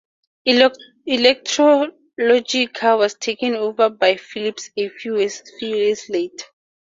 Electrologica was taken over by Philips a few years later.